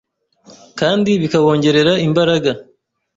kandi bikawongerera imbaraga.